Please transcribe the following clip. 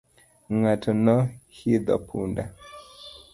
Ng'ato no hidho punda.